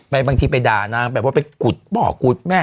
ไปบางทีไปด่านางแบบว่าเป็นกุฎเบาะกุฎแม่